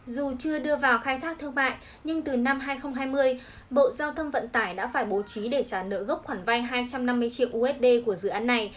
dù chưa đưa vào khai thác thương mại nhưng từ năm hai nghìn hai mươi bộ giao thông vận tải đã phải bố trí để trả nợ gốc khoản vay hai trăm năm mươi triệu usd của dự án này